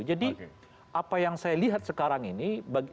jadi apa yang saya lihat sekarang ini